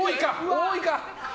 多いか。